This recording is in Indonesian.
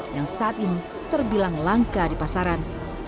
yang saat ini terbilang langka di pasaran